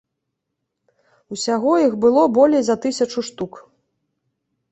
Усяго іх было болей за тысячу штук.